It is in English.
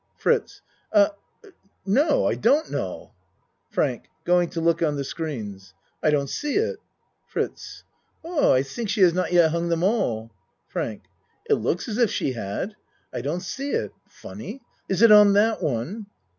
FRITZ A no, I don't know. FRANK (Going to look on the screens.) I don't see it. FRITZ Oh, I think she has not yet hung them all. FRANK It looks as if she had. I don't see it. Funny! Is it on that one?